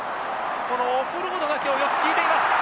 このオフロードが今日はよく効いています。